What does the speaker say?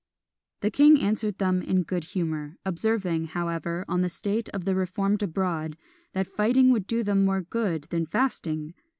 The king answered them in good humour; observing, however, on the state of the reformed abroad; "that fighting would do them more good than fasting."